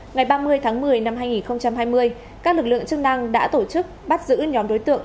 ngày ba mươi tháng một mươi năm hai nghìn hai mươi các lực lượng chức năng đã tổ chức bắt giữ nhóm đối tượng